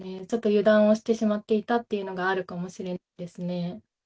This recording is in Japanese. ちょっと油断をしてしまっていたというのはあるかもしれないです